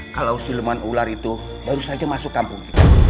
kalau sileman ular itu baru saja masuk kampung